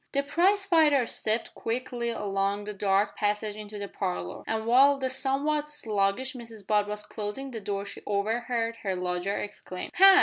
The prize fighter stepped quickly along the dark passage into the parlour, and while the somewhat sluggish Mrs Butt was closing the door she overheard her lodger exclaim "Ha!